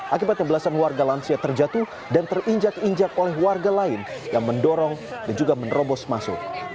akibatnya belasan warga lansia terjatuh dan terinjak injak oleh warga lain yang mendorong dan juga menerobos masuk